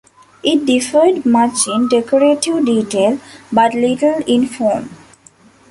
It differed much in decorative detail, but little in form.